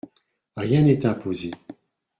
Rien n’est imposé.